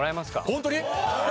ホントに！？